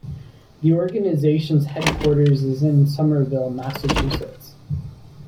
The organization's headquarters is in Somerville, Massachusetts.